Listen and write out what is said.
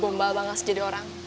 bombal banget jadi orang